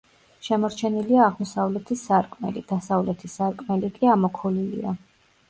შემორჩენილია აღმოსავლეთის სარკმელი, დასავლეთის სარკმელი კი ამოქოლილია.